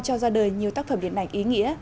cho ra đời nhiều tác phẩm điện ảnh ý nghĩa